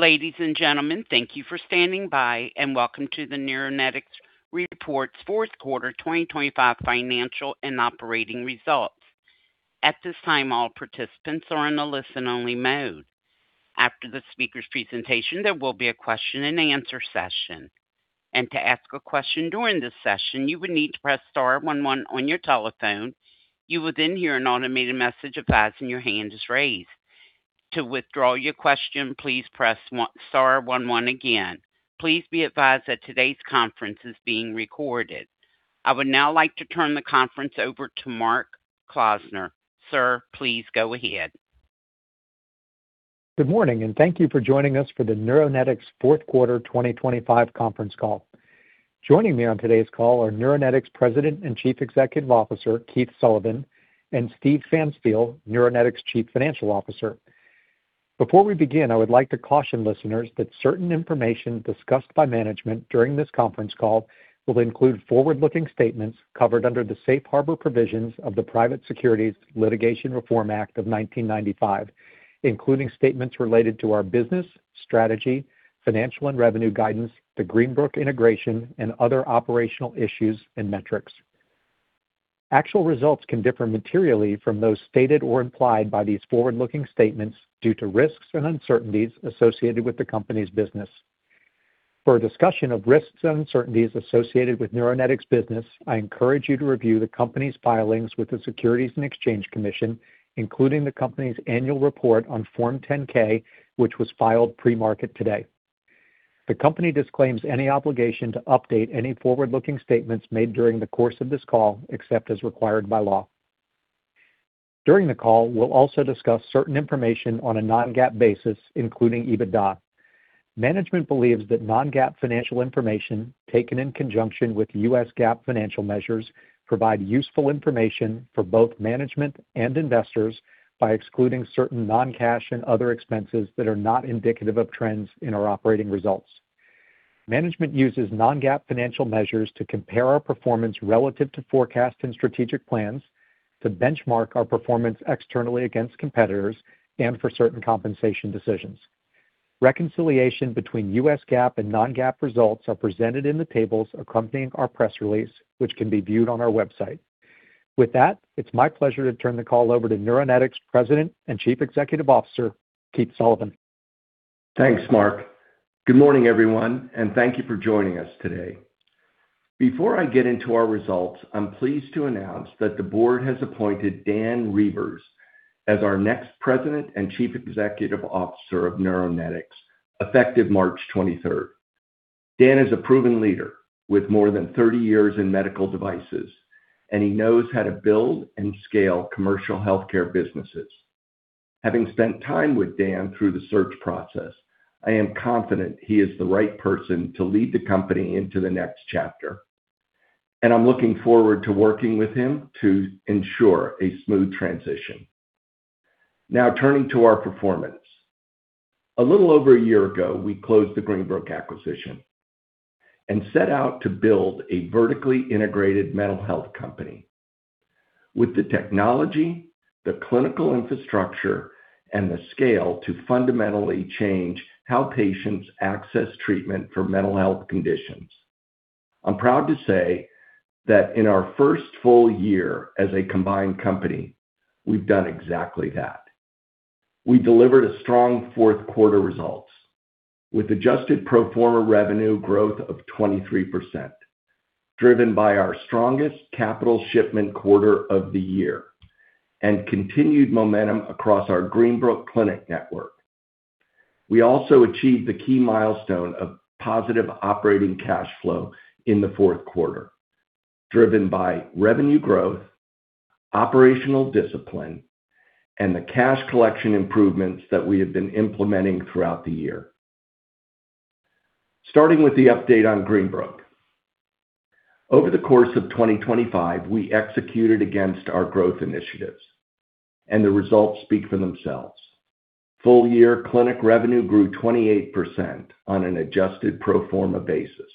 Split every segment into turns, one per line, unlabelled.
Ladies and gentlemen, thank you for standing by, and welcome to the Neuronetics Reports Q4 2025 Financial and Operating Results. At this time, all participants are in a listen-only mode. After the speaker's presentation, there will be a Q&A session. To ask a question during this session, you would need to press star one one on your telephone. You will then hear an automated message advising your hand is raised. To withdraw your question, please press star one one again. Please be advised that today's conference is being recorded. I would now like to turn the conference over to Mark Klausner. Sir, please go ahead.
Good morning, and thank you for joining us for the Neuronetics Q4 2025 conference call. Joining me on today's call are Neuronetics President and Chief Executive Officer, Keith Sullivan, and Steven Pfanstiel, Neuronetics Chief Financial Officer. Before we begin, I would like to caution listeners that certain information discussed by management during this conference call will include forward-looking statements covered under the safe harbor provisions of the Private Securities Litigation Reform Act of 1995, including statements related to our business, strategy, financial and revenue guidance, the Greenbrook integration, and other operational issues and metrics. Actual results can differ materially from those stated or implied by these forward-looking statements due to risks and uncertainties associated with the company's business. For a discussion of risks and uncertainties associated with Neuronetics business, I encourage you to review the company's filings with the Securities and Exchange Commission, including the company's annual report on Form 10-K, which was filed pre-market today. The company disclaims any obligation to update any forward-looking statements made during the course of this call, except as required by law. During the call, we'll also discuss certain information on a non-GAAP basis, including EBITDA. Management believes that non-GAAP financial information, taken in conjunction with U.S. GAAP financial measures, provide useful information for both management and investors by excluding certain non-cash and other expenses that are not indicative of trends in our operating results. Management uses non-GAAP financial measures to compare our performance relative to forecast and strategic plans, to benchmark our performance externally against competitors, and for certain compensation decisions. Reconciliation between U.S. GAAP and non-GAAP results are presented in the tables accompanying our press release, which can be viewed on our website. With that, it's my pleasure to turn the call over to Neuronetics President and Chief Executive Officer, Keith Sullivan.
Thanks, Mark. Good morning, everyone, and thank you for joining us today. Before I get into our results, I'm pleased to announce that the board has appointed Dan Reuvers as our next President and Chief Executive Officer of Neuronetics, effective March 23. Dan is a proven leader with more than 30 years in medical devices, and he knows how to build and scale commercial healthcare businesses. Having spent time with Dan through the search process, I am confident he is the right person to lead the company into the next chapter, and I'm looking forward to working with him to ensure a smooth transition. Now turning to our performance. A little over a year ago, we closed the Greenbrook acquisition and set out to build a vertically integrated mental health company with the technology, the clinical infrastructure, and the scale to fundamentally change how patients access treatment for mental health conditions. I'm proud to say that in our first full year as a combined company, we've done exactly that. We delivered a strong Q4 results with adjusted pro forma revenue growth of 23%, driven by our strongest capital shipment quarter of the year and continued momentum across our Greenbrook clinic network. We also achieved the key milestone of positive operating cash flow in the Q4, driven by revenue growth, operational discipline, and the cash collection improvements that we have been implementing throughout the year. Starting with the update on Greenbrook. Over the course of 2025, we executed against our growth initiatives, and the results speak for themselves. Full-year clinic revenue grew 28% on an adjusted pro forma basis.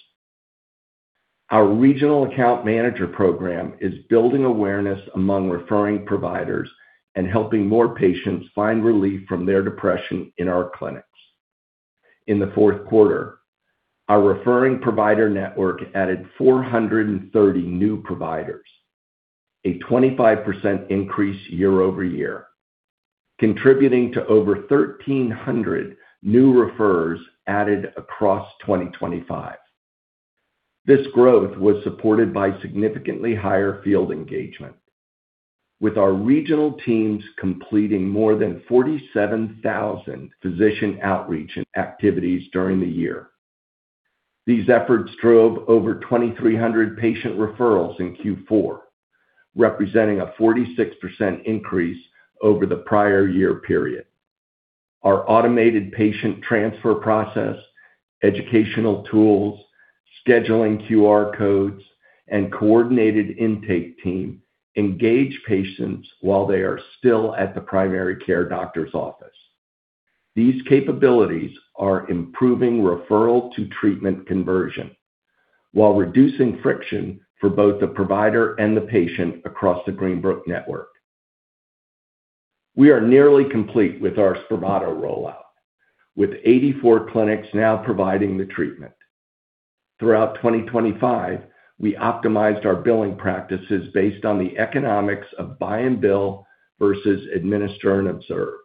Our regional account manager program is building awareness among referring providers and helping more patients find relief from their depression in our clinics. In the Q4, our referring provider network added 430 new providers, a 25% increase year-over-year, contributing to over 1,300 new referrers added across 2025. This growth was supported by significantly higher field engagement, with our regional teams completing more than 47,000 physician outreach activities during the year. These efforts drove over 2,300 patient referrals in Q4, representing a 46% increase over the prior year period. Our automated patient transfer process, educational tools, scheduling QR codes, and coordinated intake team engage patients while they are still at the primary care doctor's office. These capabilities are improving referral to treatment conversion while reducing friction for both the provider and the patient across the Greenbrook network. We are nearly complete with our Spravato rollout, with 84 clinics now providing the treatment. Throughout 2025, we optimized our billing practices based on the economics of buy and bill versus administer and observe.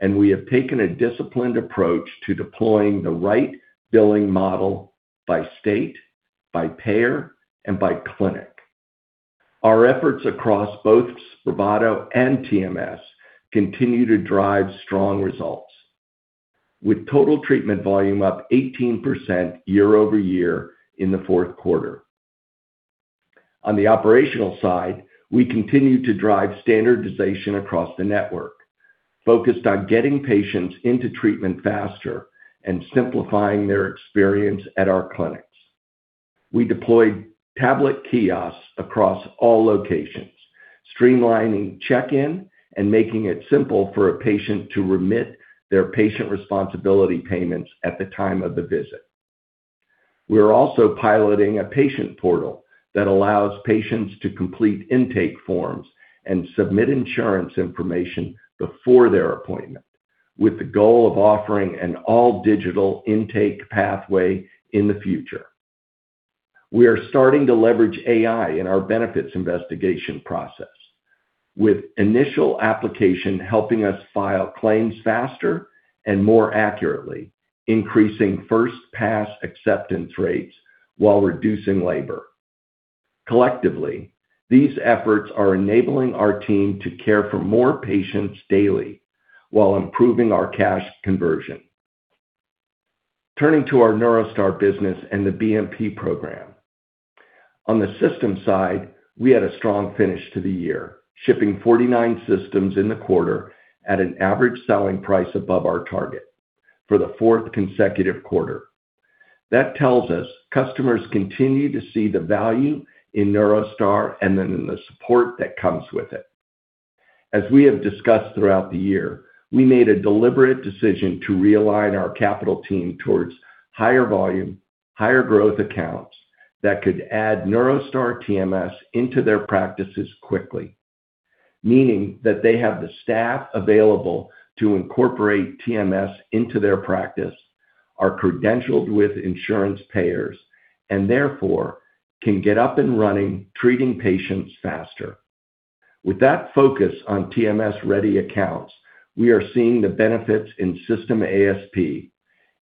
We have taken a disciplined approach to deploying the right billing model by state, by payer, and by clinic. Our efforts across both Spravato and TMS continue to drive strong results, with total treatment volume up 18% year-over-year in the Q4. On the operational side, we continue to drive standardization across the network, focused on getting patients into treatment faster and simplifying their experience at our clinics. We deployed tablet kiosks across all locations, streamlining check-in and making it simple for a patient to remit their patient responsibility payments at the time of the visit. We're also piloting a patient portal that allows patients to complete intake forms and submit insurance information before their appointment, with the goal of offering an all-digital intake pathway in the future. We are starting to leverage AI in our benefits investigation process. With initial application helping us file claims faster and more accurately, increasing first pass acceptance rates while reducing labor. Collectively, these efforts are enabling our team to care for more patients daily while improving our cash conversion. Turning to our NeuroStar business and the BMP program. On the system side, we had a strong finish to the year, shipping 49 systems in the quarter at an average selling price above our target for the fourth consecutive quarter. That tells us customers continue to see the value in NeuroStar and then in the support that comes with it. As we have discussed throughout the year, we made a deliberate decision to realign our capital team towards higher volume, higher growth accounts that could add NeuroStar TMS into their practices quickly. Meaning that they have the staff available to incorporate TMS into their practice, are credentialed with insurance payers, and therefore, can get up and running, treating patients faster. With that focus on TMS-ready accounts, we are seeing the benefits in system ASP,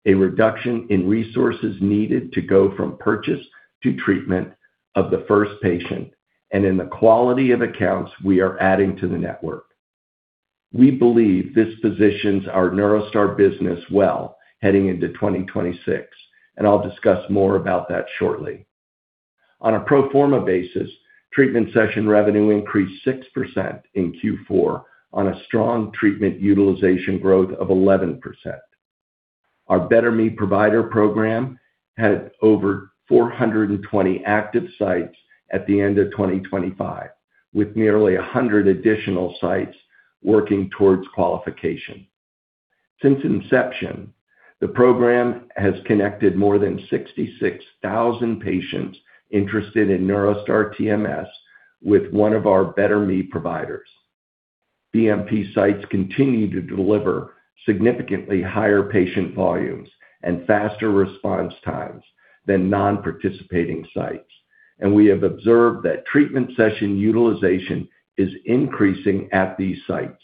a reduction in resources needed to go from purchase to treatment of the first patient, and in the quality of accounts we are adding to the network. We believe this positions our NeuroStar business well heading into 2026, and I'll discuss more about that shortly. On a pro forma basis, treatment session revenue increased 6% in Q4 on a strong treatment utilization growth of 11%. Our BetterMe provider program had over 420 active sites at the end of 2025, with nearly 100 additional sites working towards qualification. Since inception, the program has connected more than 66,000 patients interested in NeuroStar TMS with one of our BetterMe providers. BMP sites continue to deliver significantly higher patient volumes and faster response times than non-participating sites. We have observed that treatment session utilization is increasing at these sites,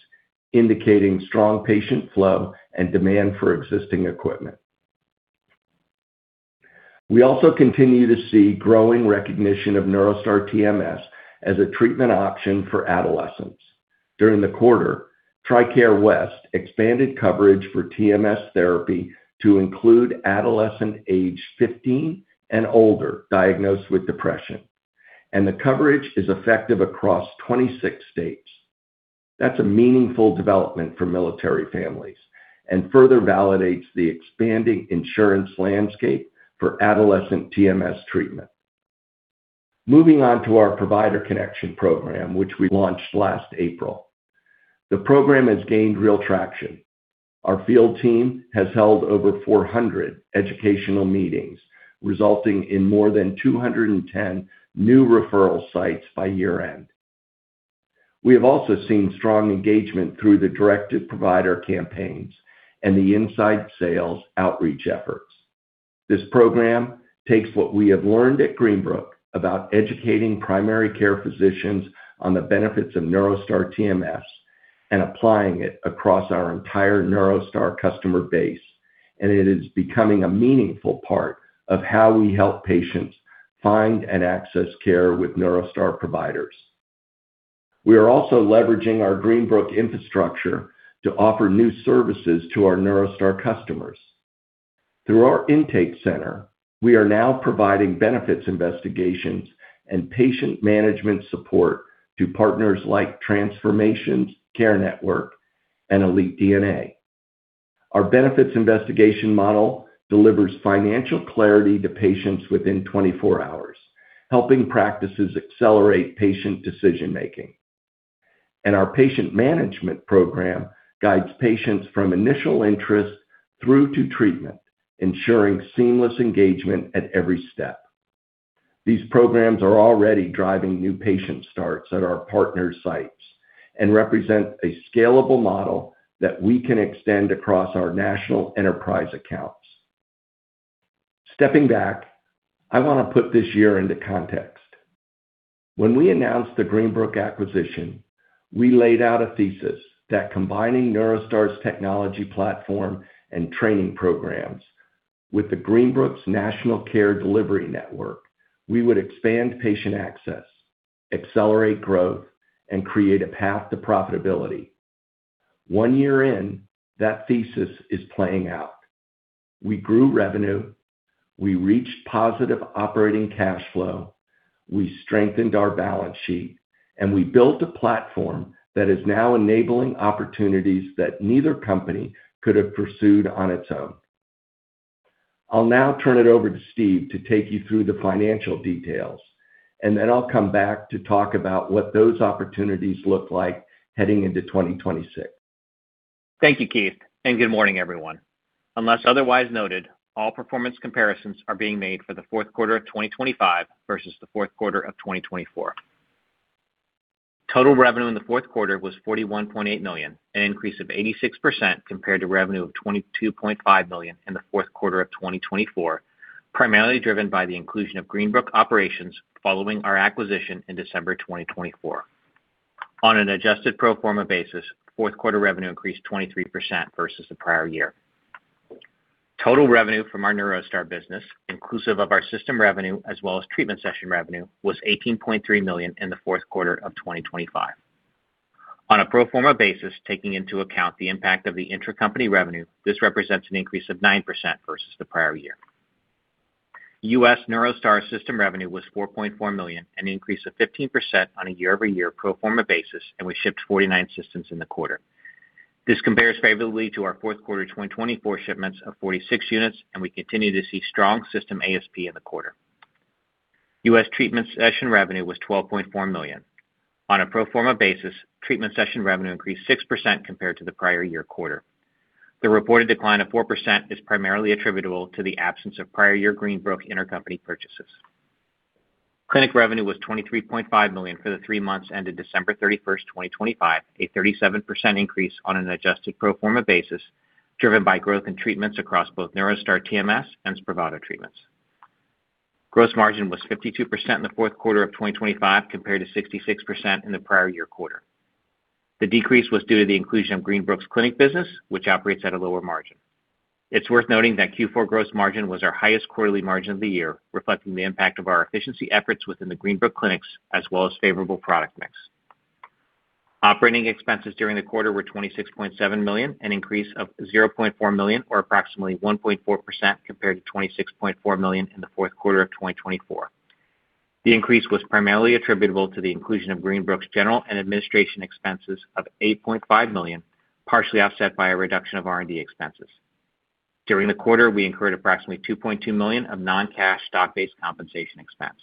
indicating strong patient flow and demand for existing equipment. We also continue to see growing recognition of NeuroStar TMS as a treatment option for adolescents. During the quarter, TRICARE West expanded coverage for TMS therapy to include adolescent age 15 and older diagnosed with depression, and the coverage is effective across 26 states. That's a meaningful development for military families and further validates the expanding insurance landscape for adolescent TMS treatment. Moving on to our provider connection program, which we launched last April. The program has gained real traction. Our field team has held over 400 educational meetings, resulting in more than 210 new referral sites by year-end. We have also seen strong engagement through the directed provider campaigns and the inside sales outreach efforts. This program takes what we have learned at Greenbrook about educating primary care physicians on the benefits of NeuroStar TMS and applying it across our entire NeuroStar customer base, and it is becoming a meaningful part of how we help patients find and access care with NeuroStar providers. We are also leveraging our Greenbrook infrastructure to offer new services to our NeuroStar customers. Through our intake center, we are now providing benefits investigations and patient management support to partners like Transformations Care Network and Elite DNA. Our benefits investigation model delivers financial clarity to patients within 24 hours, helping practices accelerate patient decision-making. Our patient management program guides patients from initial interest through to treatment, ensuring seamless engagement at every step. These programs are already driving new patient starts at our partner sites and represent a scalable model that we can extend across our national enterprise accounts. Stepping back, I want to put this year into context. When we announced the Greenbrook acquisition, we laid out a thesis that combining NeuroStar's technology platform and training programs with the Greenbrook's national care delivery network, we would expand patient access, accelerate growth, and create a path to profitability. One year in, that thesis is playing out. We grew revenue, we reached positive operating cash flow, we strengthened our balance sheet, and we built a platform that is now enabling opportunities that neither company could have pursued on its own. I'll now turn it over to Steve to take you through the financial details, and then I'll come back to talk about what those opportunities look like heading into 2026.
Thank you, Keith, and good morning, everyone. Unless otherwise noted, all performance comparisons are being made for the Q4 of 2025 versus the Q4 of 2024. Total revenue in the Q4 was $41.8 million, an increase of 86% compared to revenue of $22.5 million in the Q4 of 2024, primarily driven by the inclusion of Greenbrook operations following our acquisition in December 2024. On an adjusted pro forma basis, Q4 revenue increased 23% versus the prior year. Total revenue from our NeuroStar business, inclusive of our system revenue as well as treatment session revenue, was $18.3 million in the Q4 of 2025. On a pro forma basis, taking into account the impact of the intercompany revenue, this represents an increase of 9% versus the prior year. U.S. NeuroStar system revenue was $4.4 million, an increase of 15% on a year-over-year pro forma basis, and we shipped 49 systems in the quarter. This compares favorably to our Q4 2024 shipments of 46 units, and we continue to see strong system ASP in the quarter. U.S. treatment session revenue was $12.4 million. On a pro forma basis, treatment session revenue increased 6% compared to the prior year quarter. The reported decline of 4% is primarily attributable to the absence of prior year Greenbrook intercompany purchases. Clinic revenue was $23.5 million for the three months ended December 31, 2025, a 37% increase on an adjusted pro forma basis, driven by growth in treatments across both NeuroStar TMS and Spravato treatments. Gross margin was 52% in the Q4 of 2025 compared to 66% in the prior year quarter. The decrease was due to the inclusion of Greenbrook's clinic business, which operates at a lower margin. It's worth noting that Q4 gross margin was our highest quarterly margin of the year, reflecting the impact of our efficiency efforts within the Greenbrook clinics as well as favorable product mix. Operating expenses during the quarter were $26.7 million, an increase of $0.4 million, or approximately 1.4% compared to $26.4 million in the Q4 of 2024. The increase was primarily attributable to the inclusion of Greenbrook's general and administration expenses of $8.5 million, partially offset by a reduction of R&D expenses. During the quarter, we incurred approximately $2.2 million of non-cash stock-based compensation expense.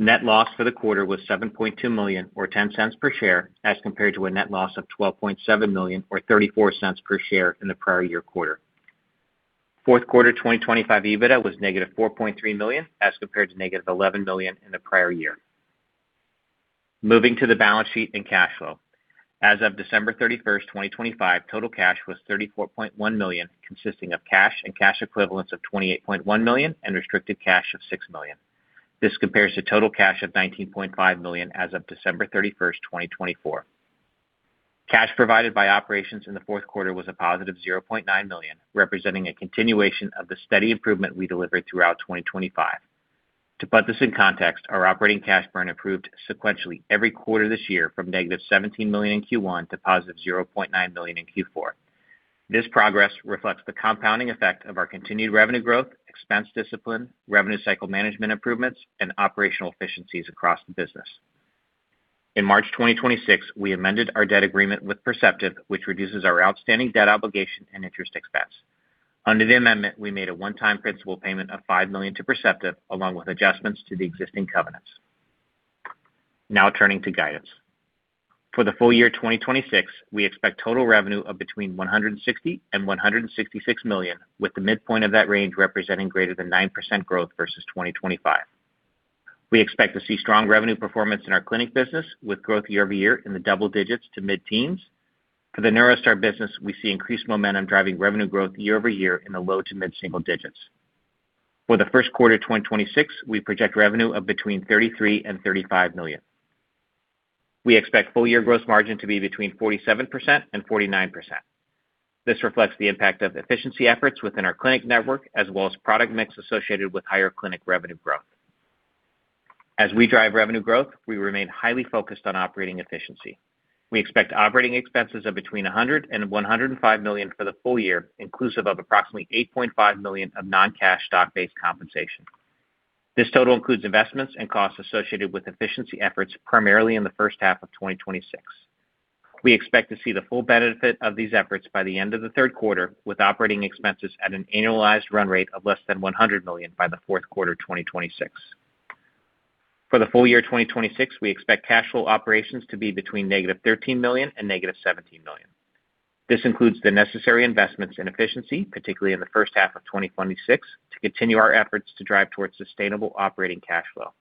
Net loss for the quarter was $7.2 million, or $0.10 per share, as compared to a net loss of $12.7 million, or $0.34 per share in the prior year quarter. Q4 2025 EBITDA was negative $4.3 million as compared to negative $11 million in the prior year. Moving to the balance sheet and cash flow. As of December 31, 2025, total cash was $34.1 million, consisting of cash and cash equivalents of $28.1 million and restricted cash of $6 million. This compares to total cash of $19.5 million as of December 31, 2024. Cash provided by operations in the Q4 was a positive $0.9 million, representing a continuation of the steady improvement we delivered throughout 2025. To put this in context, our operating cash burn improved sequentially every quarter this year from negative $17 million in Q1 to positive $0.9 million in Q4. This progress reflects the compounding effect of our continued revenue growth, expense discipline, revenue cycle management improvements, and operational efficiencies across the business. In March 2026, we amended our debt agreement with Perceptive, which reduces our outstanding debt obligation and interest expense. Under the amendment, we made a one-time principal payment of $5 million to Perceptive, along with adjustments to the existing covenants. Now turning to guidance. For the full year 2026, we expect total revenue of between $160 million and $166 million, with the midpoint of that range representing greater than 9% growth versus 2025. We expect to see strong revenue performance in our clinic business, with growth year over year in the double digits to mid-teens. For the NeuroStar business, we see increased momentum driving revenue growth year over year in the low to mid-single digits. For the Q1 2026, we project revenue of between $33 and $35 million. We expect full year gross margin to be between 47% and 49%. This reflects the impact of efficiency efforts within our clinic network as well as product mix associated with higher clinic revenue growth. As we drive revenue growth, we remain highly focused on operating efficiency. We expect operating expenses of between $100 and $105 million for the full year, inclusive of approximately $8.5 million of non-cash stock-based compensation. This total includes investments and costs associated with efficiency efforts primarily in the first half of 2026. We expect to see the full benefit of these efforts by the end of the Q3, with operating expenses at an annualized run rate of less than $100 million by the Q4 2026. For the full year 2026, we expect cash flow from operations to be between -$13 million and -$17 million. This includes the necessary investments in efficiency, particularly in the H1 of 2026, to continue our efforts to drive towards sustainable operating cash flow.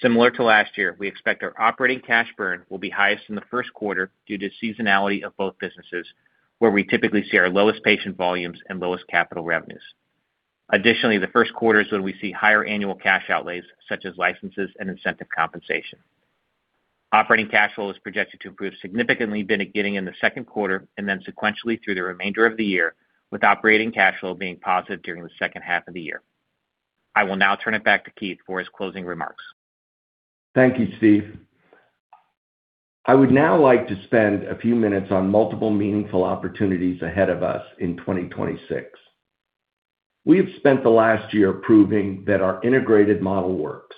Similar to last year, we expect our operating cash burn will be highest in the Q1 due to seasonality of both businesses, where we typically see our lowest patient volumes and lowest capital revenues. Additionally, the first Q1 is when we see higher annual cash outlays such as licenses and incentive compensation. Operating cash flow is projected to improve significantly beginning in the Q2 and then sequentially through the remainder of the year, with operating cash flow being positive during the H2 of the year. I will now turn it back to Keith for his closing remarks.
Thank you, Steve. I would now like to spend a few minutes on multiple meaningful opportunities ahead of us in 2026. We have spent the last year proving that our integrated model works.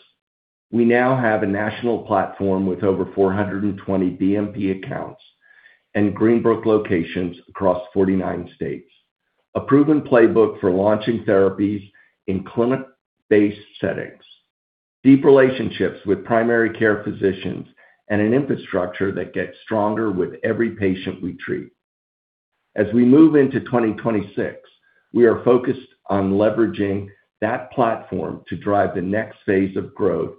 We now have a national platform with over 420 BMP accounts and Greenbrook locations across 49 states. A proven playbook for launching therapies in clinic-based settings, deep relationships with primary care physicians, and an infrastructure that gets stronger with every patient we treat. As we move into 2026, we are focused on leveraging that platform to drive the next phase of growth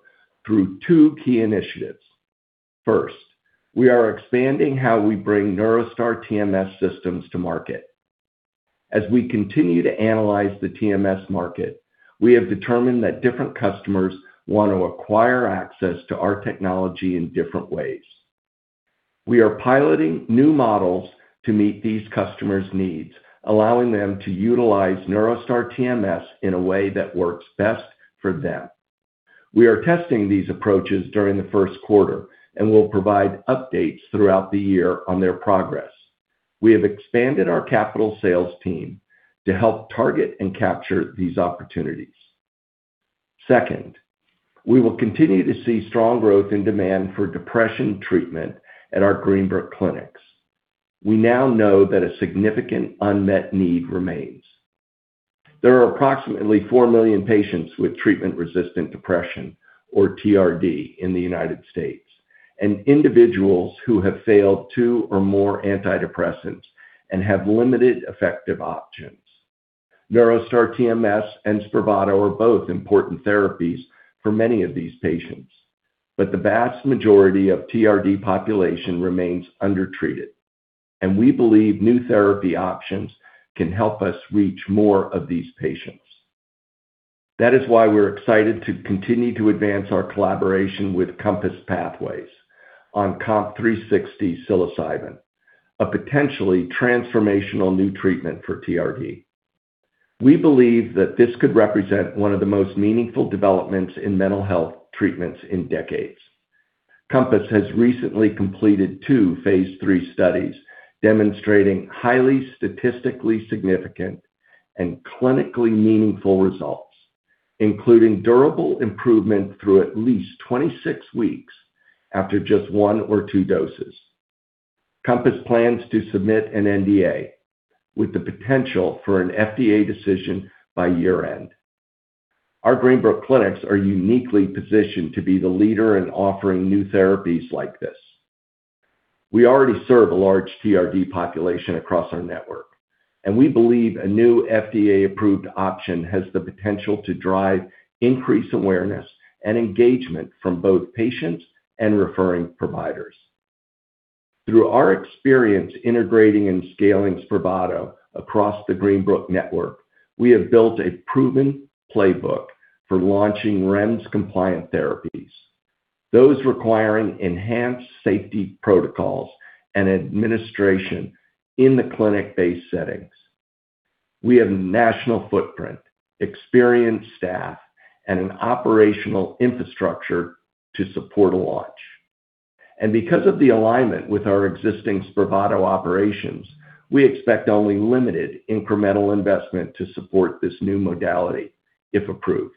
through two key initiatives. First, we are expanding how we bring NeuroStar TMS systems to market. As we continue to analyze the TMS market, we have determined that different customers want to acquire access to our technology in different ways. We are piloting new models to meet these customers' needs, allowing them to utilize NeuroStar TMS in a way that works best for them. We are testing these approaches during the Q1 and will provide updates throughout the year on their progress. We have expanded our capital sales team to help target and capture these opportunities. Second, we will continue to see strong growth in demand for depression treatment at our Greenbrook clinics. We now know that a significant unmet need remains. There are approximately 4 million patients with treatment-resistant depression, or TRD, in the United States, and individuals who have failed 2 or more antidepressants and have limited effective options. NeuroStar TMS and Spravato are both important therapies for many of these patients, but the vast majority of TRD population remains undertreated, and we believe new therapy options can help us reach more of these patients. That is why we're excited to continue to advance our collaboration with Compass Pathways on COMP360 psilocybin, a potentially transformational new treatment for TRD. We believe that this could represent one of the most meaningful developments in mental health treatments in decades. Compass has recently completed 2 phase 3 studies demonstrating highly statistically significant and clinically meaningful results, including durable improvement through at least 26 weeks after just 1 or 2 doses. Compass plans to submit an NDA with the potential for an FDA decision by year-end. Our Greenbrook clinics are uniquely positioned to be the leader in offering new therapies like this. We already serve a large TRD population across our network, and we believe a new FDA-approved option has the potential to drive increased awareness and engagement from both patients and referring providers. Through our experience integrating and scaling Spravato across the Greenbrook network, we have built a proven playbook for launching REMS compliant therapies, those requiring enhanced safety protocols and administration in the clinic-based settings. We have a national footprint, experienced staff, and an operational infrastructure to support a launch. Because of the alignment with our existing Spravato operations, we expect only limited incremental investment to support this new modality if approved.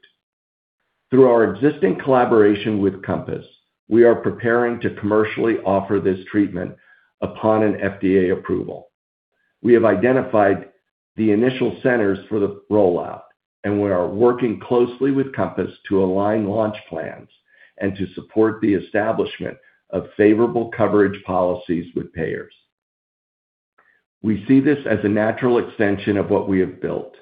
Through our existing collaboration with Compass, we are preparing to commercially offer this treatment upon an FDA approval. We have identified the initial centers for the rollout, and we are working closely with Compass to align launch plans and to support the establishment of favorable coverage policies with payers. We see this as a natural extension of what we have built,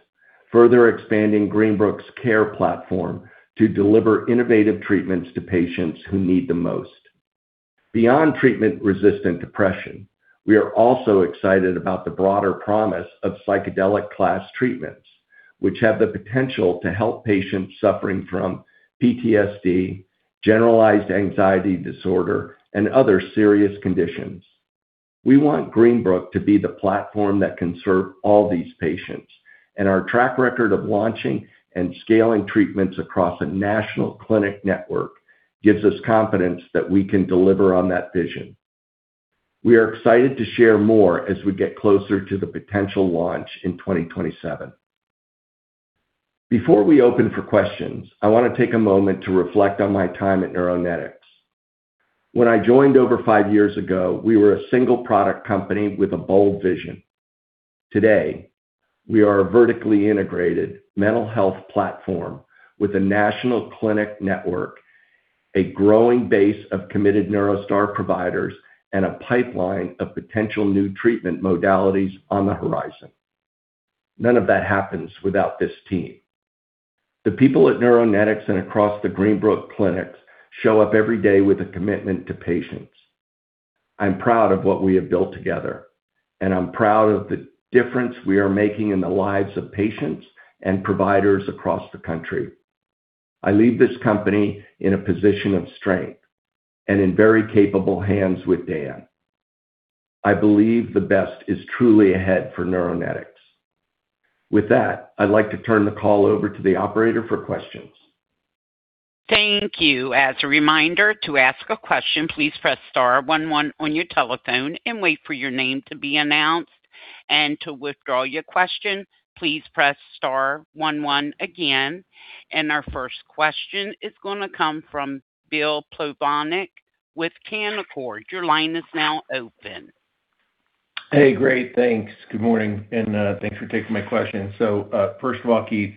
further expanding Greenbrook's care platform to deliver innovative treatments to patients who need the most. Beyond treatment-resistant depression, we are also excited about the broader promise of psychedelic class treatments, which have the potential to help patients suffering from PTSD, generalized anxiety disorder, and other serious conditions. We want Greenbrook to be the platform that can serve all these patients, and our track record of launching and scaling treatments across a national clinic network gives us confidence that we can deliver on that vision. We are excited to share more as we get closer to the potential launch in 2027. Before we open for questions, I want to take a moment to reflect on my time at Neuronetics. When I joined over five years ago, we were a single product company with a bold vision. Today, we are a vertically integrated mental health platform with a national clinic network, a growing base of committed NeuroStar providers, and a pipeline of potential new treatment modalities on the horizon. None of that happens without this team. The people at Neuronetics and across the Greenbrook clinics show up every day with a commitment to patients. I'm proud of what we have built together, and I'm proud of the difference we are making in the lives of patients and providers across the country. I leave this company in a position of strength and in very capable hands with Dan. I believe the best is truly ahead for Neuronetics. With that, I'd like to turn the call over to the operator for questions.
Thank you. As a reminder to ask a question, please press star one one on your telephone and wait for your name to be announced. To withdraw your question, please press star one one again. Our first question is gonna come from Bill Plovanic with Canaccord. Your line is now open.
Hey, great. Thanks. Good morning, and thanks for taking my question. First of all, Keith,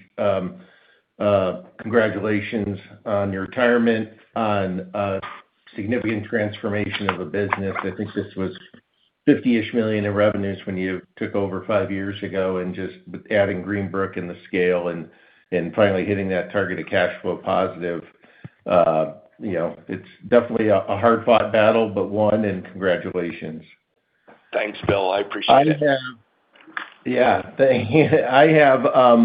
congratulations on your retirement on a significant transformation of a business. I think this was $50-ish million in revenues when you took over five years ago and just adding Greenbrook and the scale and finally hitting that target of cash flow positive. You know, it's definitely a hard-fought battle, but won, and congratulations.
Thanks, Bill. I appreciate it.
I have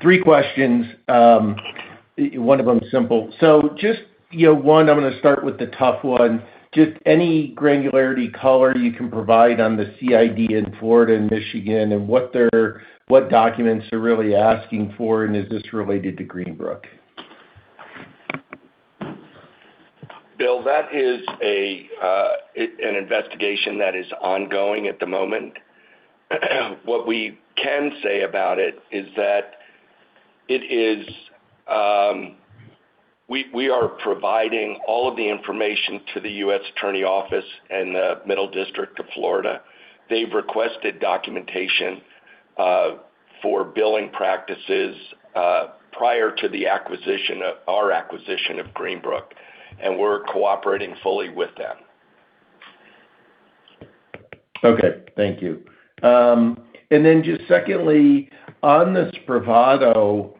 three questions, one of them simple. Just, you know, one, I'm gonna start with the tough one. Just any granularity color you can provide on the CID in Florida and Michigan and what documents they're really asking for, and is this related to Greenbrook?
William Plovanic, that is an investigation that is ongoing at the moment. What we can say about it is that we are providing all of the information to the U.S. Attorney's Office in the Middle District of Florida. They've requested documentation for billing practices prior to our acquisition of Greenbrook, and we're cooperating fully with them.
Okay. Thank you. Just secondly, on the Spravato,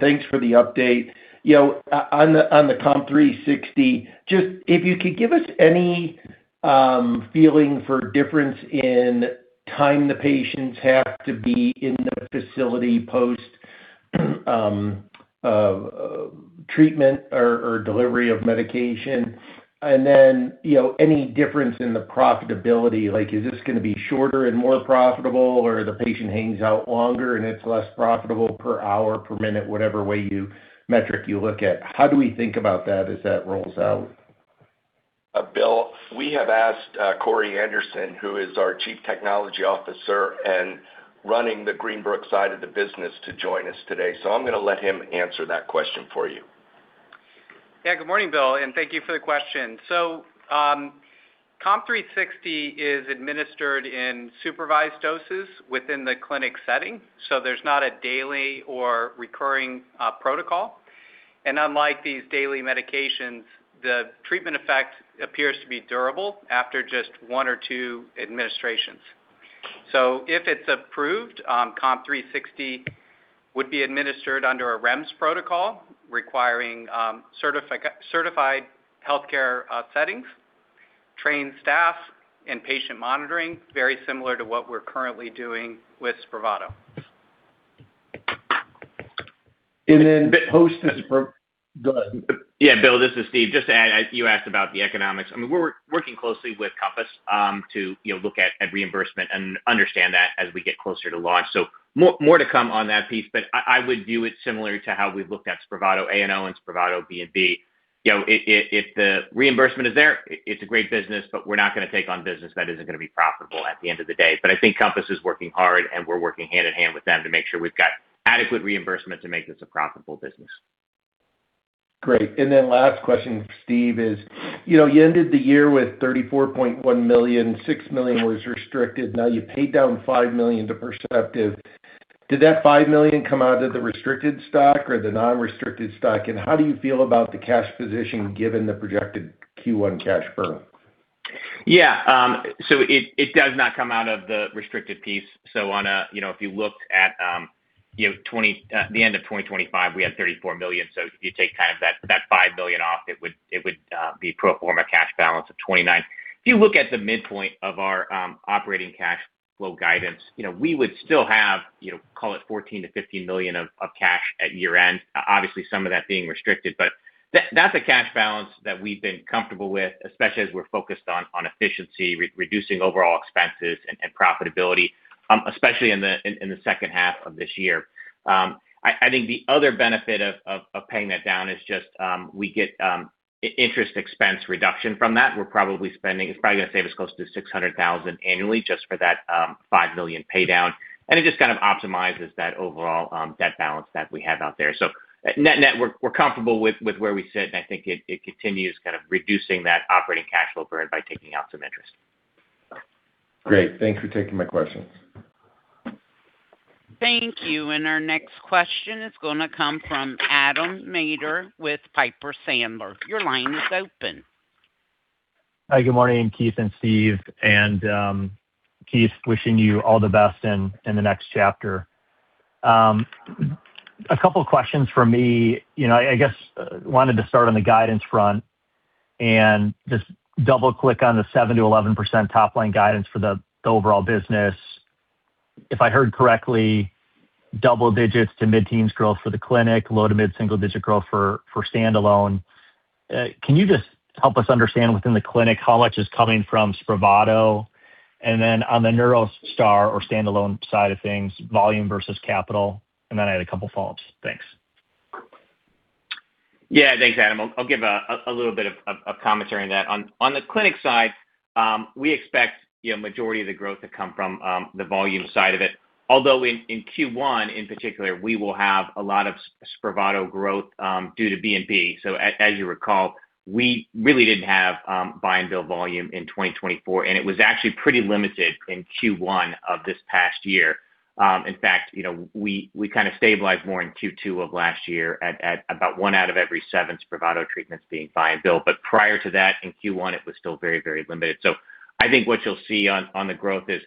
thanks for the update. You know, on the COMP360, just if you could give us any feeling for difference in time the patients have to be in the facility post treatment or delivery of medication. You know, any difference in the profitability, like, is this gonna be shorter and more profitable, or the patient hangs out longer and it's less profitable per hour, per minute, whatever metric you look at? How do we think about that as that rolls out?
Bill, we have asked, Cory Anderson, who is our Chief Technology Officer and running the Greenbrook side of the business, to join us today. I'm gonna let him answer that question for you.
Yeah, good morning, Bill, and thank you for the question. Comp360 is administered in supervised doses within the clinic setting. There's not a daily or recurring protocol. Unlike these daily medications, the treatment effect appears to be durable after just one or two administrations. If it's approved, Comp360 would be administered under a REMS protocol requiring certified healthcare settings, trained staff and patient monitoring, very similar to what we're currently doing with Spravato.
And then-
Go ahead.
Yeah, Bill, this is Steve. Just to add, you asked about the economics. I mean, we're working closely with Compass to you know look at reimbursement and understand that as we get closer to launch. More to come on that piece, but I would view it similar to how we've looked at Spravato A and O and Spravato B and B. You know, if the reimbursement is there, it's a great business, but we're not gonna take on business that isn't gonna be profitable at the end of the day. I think Compass is working hard, and we're working hand in hand with them to make sure we've got adequate reimbursement to make this a profitable business.
Great. Last question, Steve, is, you know, you ended the year with $34.1 million. $6 million was restricted. Now you paid down $5 million to Perceptive. Did that $5 million come out of the restricted cash or the non-restricted cash? And how do you feel about the cash position given the projected Q1 cash burn?
Yeah. It does not come out of the restricted piece. You know, if you looked at the end of 2025, we had $34 million. If you take kind of that five million off, it would be pro forma cash balance of $29 million. If you look at the midpoint of our operating cash flow guidance, you know, we would still have, you know, call it $14 million-$15 million of cash at year-end. Obviously, some of that being restricted, but that's a cash balance that we've been comfortable with, especially as we're focused on efficiency, reducing overall expenses and profitability, especially in the second half of this year. I think the other benefit of paying that down is just we get interest expense reduction from that. It's probably gonna save us close to $600,000 annually just for that $5 million pay down. It just kind of optimizes that overall debt balance that we have out there. Net net, we're comfortable with where we sit, and I think it continues kind of reducing that operating cash flow burn by taking out some interest.
Great. Thanks for taking my questions.
Thank you. Our next question is going to come from Adam Maeder with Piper Sandler. Your line is open.
Hi, good morning, Keith and Steve. Keith, wishing you all the best in the next chapter. A couple of questions from me. You know, I guess wanted to start on the guidance front and just double-click on the 7%-11% top-line guidance for the overall business. If I heard correctly, double digits to mid-teens growth for the clinic, low to mid-single-digit growth for standalone. Can you just help us understand within the clinic how much is coming from Spravato? On the NeuroStar or standalone side of things, volume versus capital, and then I had a couple of follow-ups. Thanks.
Yeah. Thanks, Adam. I'll give a little bit of commentary on that. On the clinic side, we expect, you know, majority of the growth to come from the volume side of it. Although in Q1, in particular, we will have a lot of Spravato growth due to BNB. As you recall, we really didn't have buy-and-bill volume in 2024, and it was actually pretty limited in Q1 of this past year. In fact, you know, we kind of stabilized more in Q2 of last year at about one out of every seven Spravato treatments being buy-and-bill. Prior to that, in Q1, it was still very limited. I think what you'll see on the growth is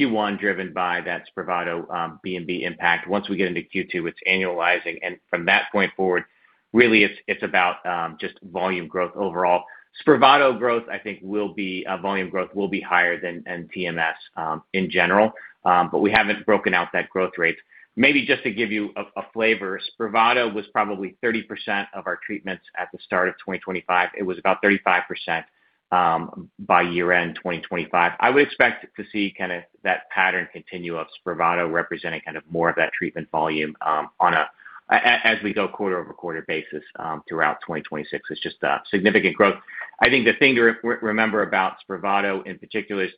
Q1 driven by that Spravato BNB impact. Once we get into Q2, it's annualizing. From that point forward, really it's about just volume growth overall. Spravato growth, I think, will be volume growth will be higher than TMS in general, but we haven't broken out that growth rate. Maybe just to give you a flavor, Spravato was probably 30% of our treatments at the start of 2025. It was about 35% by year-end 2025. I would expect to see kind of that pattern continue of Spravato representing kind of more of that treatment volume on a quarter-over-quarter basis throughout 2026. It's just a significant growth. I think the thing to remember about Spravato in particular is,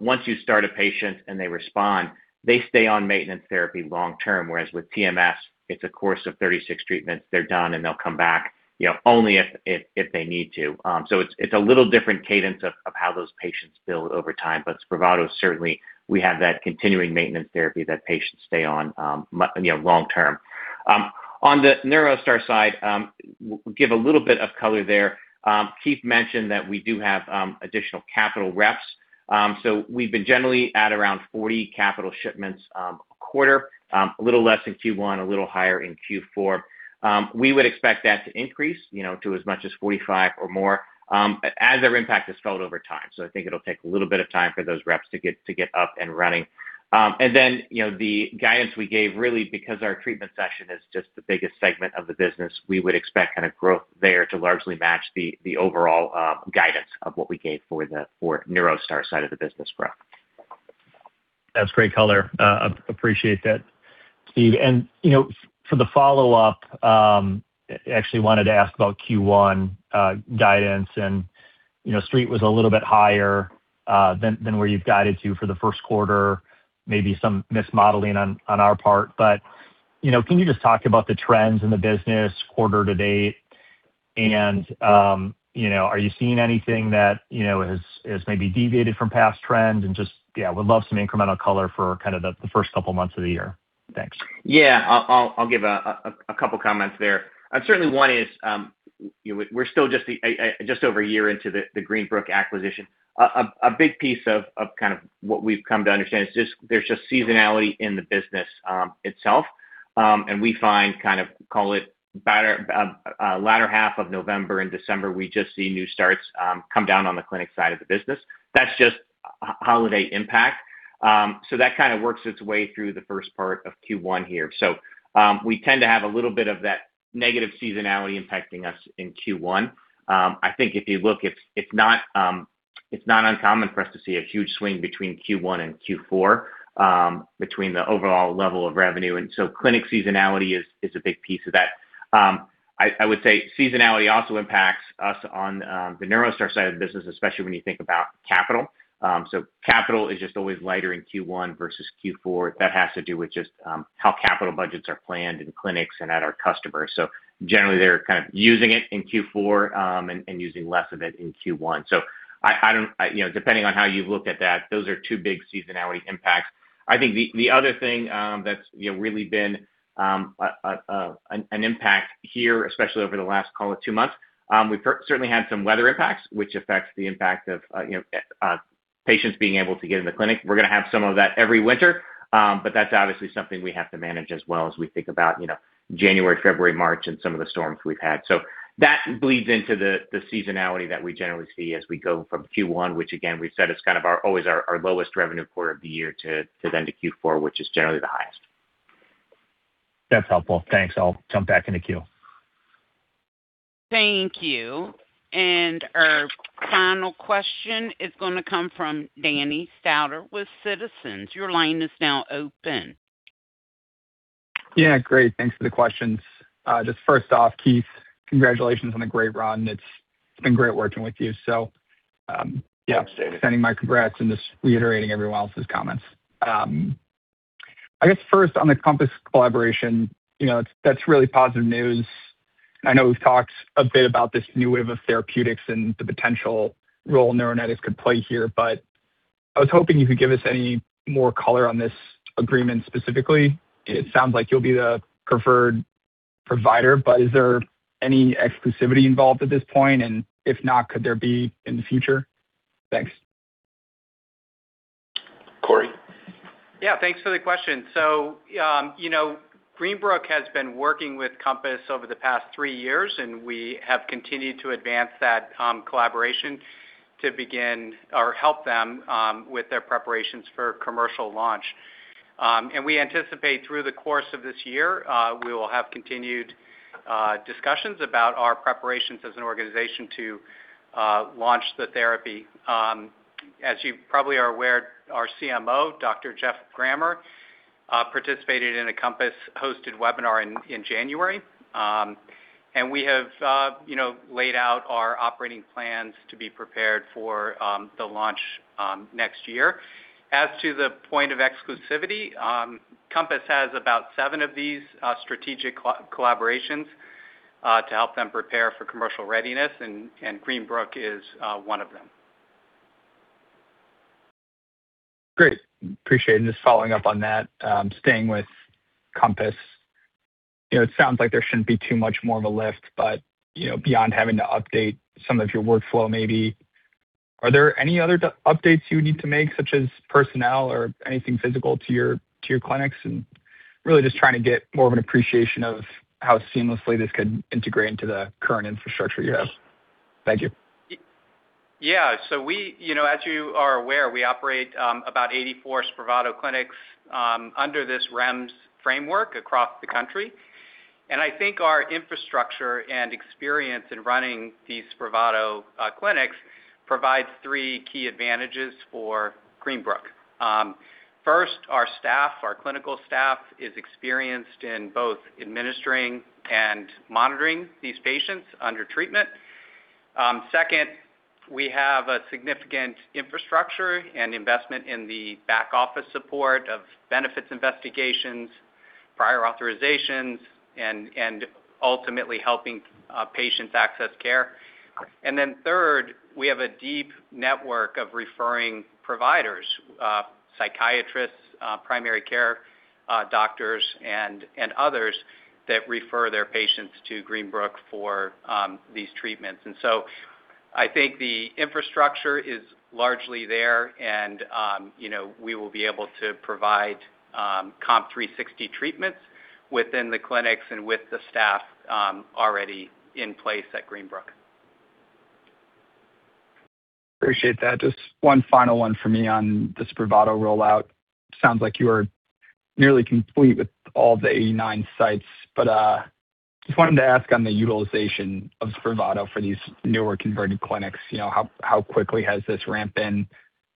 once you start a patient and they respond, they stay on maintenance therapy long term, whereas with TMS, it's a course of 36 treatments. They're done, and they'll come back, you know, only if they need to. It's a little different cadence of how those patients build over time, but Spravato certainly we have that continuing maintenance therapy that patients stay on, you know, long term. On the NeuroStar side, give a little bit of color there. Keith mentioned that we do have additional capital reps. We've been generally at around 40 capital shipments a quarter, a little less in Q1, a little higher in Q4. We would expect that to increase, you know, to as much as 45 or more, as their impact is felt over time. I think it'll take a little bit of time for those reps to get up and running. You know, the guidance we gave, really because our treatment session is just the biggest segment of the business, we would expect kind of growth there to largely match the overall guidance of what we gave for the NeuroStar side of the business growth.
That's great color. Appreciate that, Steve. You know, for the follow-up, actually wanted to ask about Q1 guidance and, you know, Street was a little bit higher than where you've guided to for the Q1, maybe some mismodeling on our part. You know, can you just talk about the trends in the business quarter to date? You know, are you seeing anything that, you know, has maybe deviated from past trends? Just, yeah, would love some incremental color for kind of the first couple months of the year. Thanks.
Yeah. I'll give a couple comments there. Certainly one is, you know, we're still just over a year into the Greenbrook acquisition. A big piece of kind of what we've come to understand is just there's just seasonality in the business itself. We find kind of, call it, latter half of November and December, we just see new starts come down on the clinic side of the business. That's just holiday impact. That kind of works its way through the first part of Q1 here. We tend to have a little bit of that negative seasonality impacting us in Q1. I think if you look, it's not uncommon for us to see a huge swing between Q1 and Q4, between the overall level of revenue, and clinic seasonality is a big piece of that. I would say seasonality also impacts us on the NeuroStar side of the business, especially when you think about capital. Capital is just always lighter in Q1 versus Q4. That has to do with just how capital budgets are planned in clinics and at our customers. Generally, they're kind of using it in Q4, and using less of it in Q1. You know, depending on how you look at that, those are two big seasonality impacts. I think the other thing that's, you know, really been an impact here, especially over the last, call it two months, we've certainly had some weather impacts, which affects the impact of, you know, patients being able to get in the clinic. We're gonna have some of that every winter, but that's obviously something we have to manage as well as we think about, you know, January, February, March, and some of the storms we've had. That bleeds into the seasonality that we generally see as we go from Q1, which again, we've said is kind of our always our lowest revenue quarter of the year to then to Q4, which is generally the highest.
That's helpful. Thanks. I'll jump back in the queue.
Thank you. Our final question is gonna come from Daniel Stauder with Citizens JMP. Your line is now open.
Yeah, great. Thanks for the questions. Just first off, Keith, congratulations on a great run. It's been great working with you.
Yeah, same.
Sending my congrats and just reiterating everyone else's comments. I guess first on the Compass collaboration, you know, that's really positive news. I know we've talked a bit about this new wave of therapeutics and the potential role Neuronetics could play here, but I was hoping you could give us any more color on this agreement specifically. It sounds like you'll be the preferred provider, but is there any exclusivity involved at this point? If not, could there be in the future? Thanks.
Cory?
Yeah. Thanks for the question. You know, Greenbrook has been working with Compass over the past three years, and we have continued to advance that collaboration to begin or help them with their preparations for commercial launch. We anticipate through the course of this year we will have continued discussions about our preparations as an organization to launch the therapy. As you probably are aware, our CMO, Dr. Geoff Grammer, participated in a Compass-hosted webinar in January. We have you know laid out our operating plans to be prepared for the launch next year. As to the point of exclusivity, Compass has about seven of these strategic co-collaborations to help them prepare for commercial readiness, and Greenbrook is one of them.
Great. Appreciate. Just following up on that, staying with Compass, you know, it sounds like there shouldn't be too much more of a lift, but, you know, beyond having to update some of your workflow maybe, are there any other updates you need to make such as personnel or anything physical to your clinics? Really just trying to get more of an appreciation of how seamlessly this could integrate into the current infrastructure you have.
Yes.
Thank you.
Yeah. You know, as you are aware, we operate about 84 Spravato clinics under this REMS framework across the country. I think our infrastructure and experience in running these Spravato clinics provides three key advantages for Greenbrook. First, our staff, our clinical staff is experienced in both administering and monitoring these patients under treatment. Second, we have a significant infrastructure and investment in the back office support of benefits investigations, prior authorizations, and ultimately helping patients access care. Then third, we have a deep network of referring providers, psychiatrists, primary care doctors and others that refer their patients to Greenbrook for these treatments. I think the infrastructure is largely there and, you know, we will be able to provide COMP360 treatments within the clinics and with the staff already in place at Greenbrook.
Appreciate that. Just one final one for me on the Spravato rollout. Sounds like you are nearly complete with all the 89 sites, but just wanted to ask on the utilization of Spravato for these newer converted clinics. You know, how quickly has this ramped in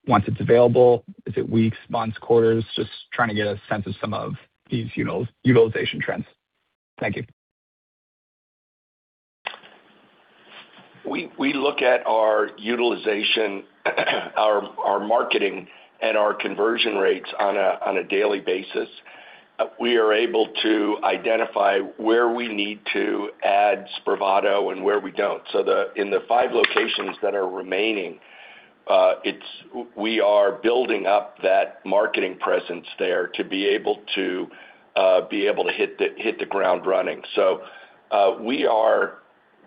once it's available? Is it weeks, months, quarters? Just trying to get a sense of some of these utilization trends. Thank you.
We look at our utilization, our marketing, and our conversion rates on a daily basis. We are able to identify where we need to add Spravato and where we don't. In the five locations that are remaining, we are building up that marketing presence there to be able to hit the ground running. We are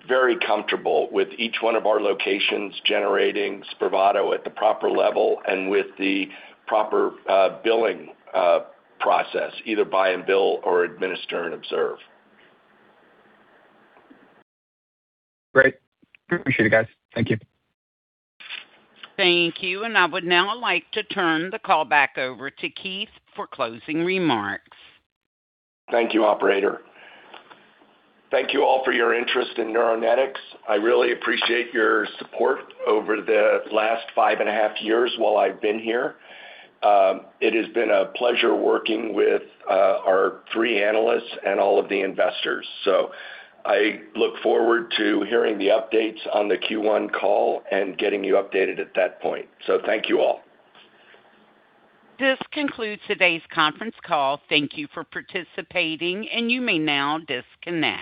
very comfortable with each one of our locations generating Spravato at the proper level and with the proper billing process, either buy and bill or administer and observe.
Great. Appreciate it, guys. Thank you.
Thank you. I would now like to turn the call back over to Keith for closing remarks.
Thank you, operator. Thank you all for your interest in Neuronetics. I really appreciate your support over the last five and a half years while I've been here. It has been a pleasure working with our three analysts and all of the investors. I look forward to hearing the updates on the Q1 call and getting you updated at that point. Thank you all.
This concludes today's conference call. Thank you for participating, and you may now disconnect.